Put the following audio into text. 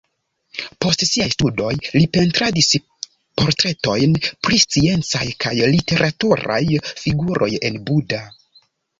Post siaj studoj li pentradis portretojn pri sciencaj kaj literaturaj figuroj en Buda.